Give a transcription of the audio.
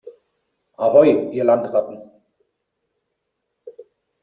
Ahoi, ihr Landratten!